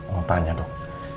mau tanya dok